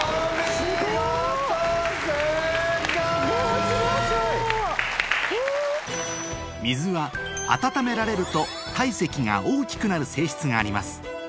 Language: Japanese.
すごい！水は温められると体積が大きくなる性質があります